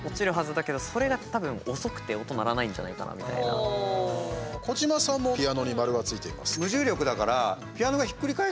無重力ってことは児嶋さんもピアノに丸がついています。